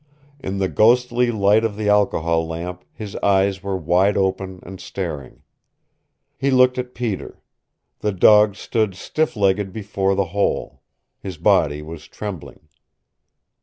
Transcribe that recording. In the ghostly light of the alcohol lamp his eyes were wide open and staring. He looked at Peter. The dog stood stiff legged before the hole. His body was trembling.